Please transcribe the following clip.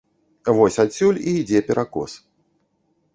Вось адсюль і ідзе перакос.